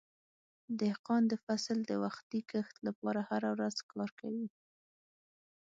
دهقان د فصل د وختي کښت لپاره هره ورځ کار کوي.